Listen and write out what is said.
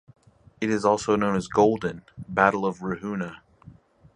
It is also known as "Golden" "Battle of Ruhuna".